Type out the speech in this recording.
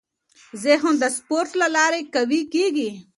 ذهن د سپورت له لارې قوي کېږي.